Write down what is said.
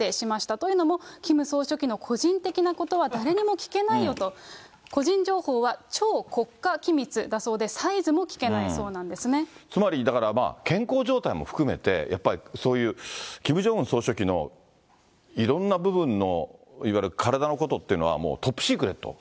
というのも、キム総書記の個人的なことは誰にも聞けないよと、個人情報は超国家機密だそうで、つまり、健康状態も含めて、やっぱりそういうキム・ジョンウン総書記のいろんな部分のいわゆる体のことっていうのは、トップシックレート。